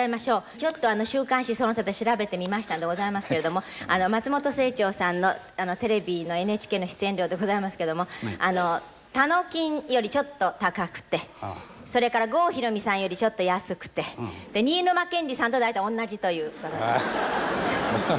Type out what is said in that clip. ちょっと週刊誌その他で調べてみましたんでございますけれども松本清張さんのテレビのＮＨＫの出演料でございますけどもたのきんよりちょっと高くてそれから郷ひろみさんよりちょっと安くて新沼謙治さんと大体おんなじという。